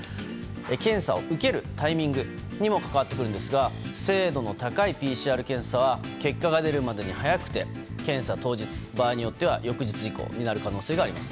検査を受けるタイミングにも関わってくるんですが精度の高いＰＣＲ検査は結果が出るまでに早くて検査当日場合によっては翌日以降になる可能性があります。